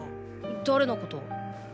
誰のこと？